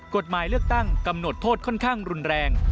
กฎหมายเลือกตั้งกำหนดโทษค่อนข้างรุนแรง